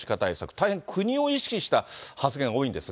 大変国を意識した発言多いんですが。